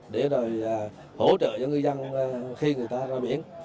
để rồi hỗ trợ cho ngư dân khi người ta ra biển